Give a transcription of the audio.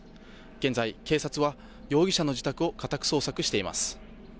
現在、警察は容疑者の自宅を家宅捜索しています。